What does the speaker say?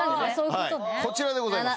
はいこちらでございます